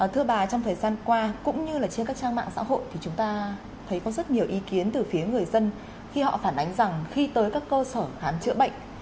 thưa bà trong thời gian qua cũng như là trên các trang mạng xã hội thì chúng ta thấy có rất nhiều ý kiến từ phía người dân khi họ phản ánh rằng khi tới các cơ sở khám chữa bệnh